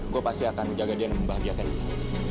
gue pasti akan menjaga dia dan membahagiakan dia